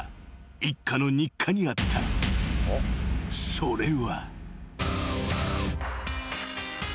［それは］